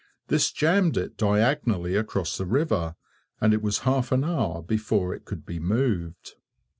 This jammed it diagonally across the river, and it was half an hour before it could be moved.